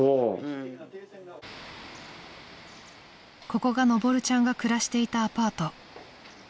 ［ここがのぼるちゃんが暮らしていたアパート］